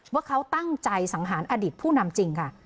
ว่าเขาตั้งใจสังหารอดิษฐ์ผู้นำจริงค่ะ